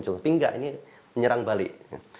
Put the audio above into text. tapi enggak ini menyerang balik